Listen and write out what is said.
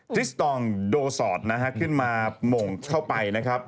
ทิสตองโดสอดนะฮะขึ้นมาหม่งเข้าไปนะครับ